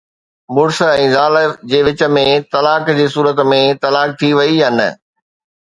مڙس ۽ زال جي وچ ۾ طلاق جي صورت ۾ طلاق ٿي وئي يا نه؟